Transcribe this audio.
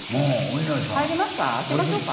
入りますか？